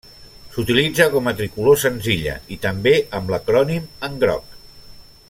S'utilitza com a tricolor senzilla, i també amb l'acrònim en groc.